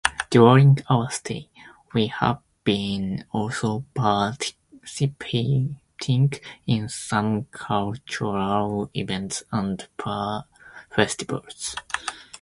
During our stay, we have been also participating in some cultural events and festivals.